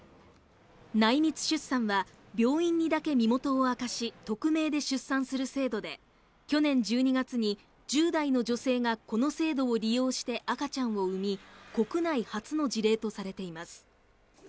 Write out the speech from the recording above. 内密出産は病院にだけ身元を明かし匿名で出産する制度で去年１２月に１０代の女性がこの制度を利用して赤ちゃんを産み国内初の事例とされています